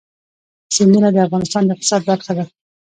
سیندونه د افغانستان د اقتصاد برخه ده.